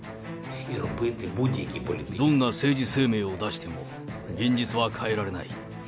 どんな政治声明を出しても、現実は変えられない。